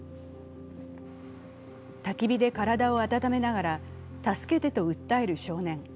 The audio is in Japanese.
たき火で体を温めながら「助けて」と訴える少年。